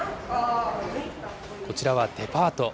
こちらはデパート。